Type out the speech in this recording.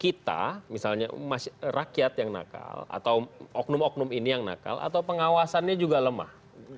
kita misalnya rakyat yang nakal atau oknum oknum ini yang nakal atau pengawasannya juga lemah